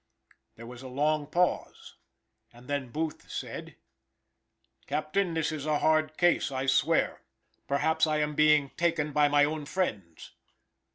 There was a long pause, and then Booth said: "Captain, this is a hard case, I swear. Perhaps I am being taken by my own friends."